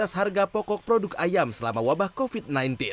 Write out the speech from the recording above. ketersediaan dan stabilitas harga pokok produk ayam selama wabah covid sembilan belas